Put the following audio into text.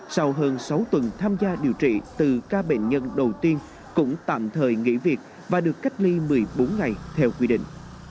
sau hơn sáu tuần tham gia điều trị từ ca bệnh nhân đầu tiên cũng tạm thời nghỉ việc và được cách ly một mươi bốn ngày theo quy định